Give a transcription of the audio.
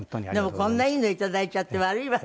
でもこんないいのいただいちゃって悪い私。